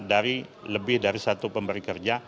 dari lebih dari satu pemberi kerja